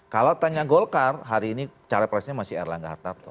kalau tanya golkar hari ini cawapresnya masih erlangga hartarto